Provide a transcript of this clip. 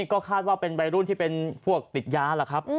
ก็คาดว่าเป็นวัยรุ่นที่เป็นพวกติดยาล่ะครับ